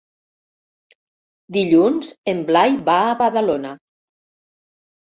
Dilluns en Blai va a Badalona.